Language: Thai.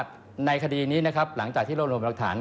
ในคดีนี้นะครับหลังจากที่รวบรวมหลักฐาน